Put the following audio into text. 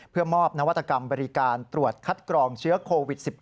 เพื่อมอบนวัตกรรมบริการตรวจคัดกรองเชื้อโควิด๑๙